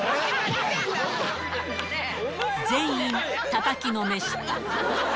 全員、たたきのめした。